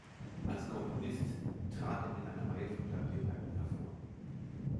Als Komponist trat er mit einer Reihe von Klavierwerken hervor.